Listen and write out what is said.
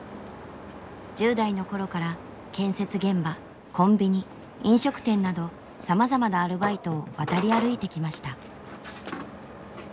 １０代の頃から建設現場コンビニ飲食店などさまざまなアルバイトを渡り歩いてきました。